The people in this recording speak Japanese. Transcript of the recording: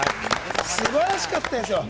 素晴らしかったです。